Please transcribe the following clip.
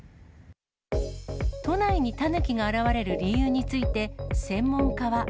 都内にタヌキが現れる理由について、専門家は。